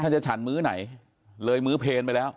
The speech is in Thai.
ถ้าจะฉันมื้อไหนเลยมื้อเพลนไปแล้ว